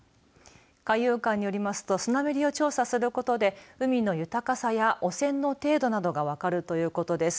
海遊館によりますとスナメリを調査することで海の豊かさや汚染の程度などが分かるということです。